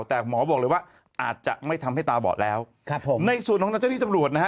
แต่หมอบอกเลยว่าอาจจะไม่ทำให้ตาบอดแล้วครับผมในส่วนของเจ้าหน้าที่ตำรวจนะฮะ